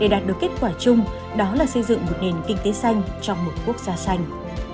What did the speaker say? đạt được kết quả chung đó là xây dựng một nền kinh tế xanh trong một quốc gia xanh